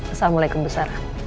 assalamualaikum bu sarah